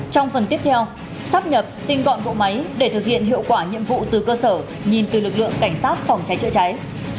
trong phần tiếp theo sắp nhập tinh gọn bộ máy để thực hiện hiệu quả nhiệm vụ từ cơ sở nhìn từ lực lượng cảnh sát phòng cháy chữa cháy